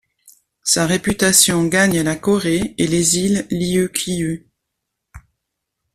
Sa réputation gagne la Corée et les îles Liuqiu.